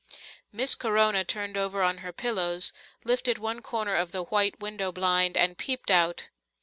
Miss Corona turned over on her pillows, lifted one corner of the white window blind and peeped out.